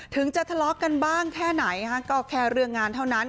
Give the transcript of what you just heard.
ถึงจะทะเลาะกันบ้างแค่ไหนก็แค่เรื่องงานเท่านั้น